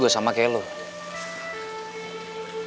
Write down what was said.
kalau udah mulai keluar udah sama si wanita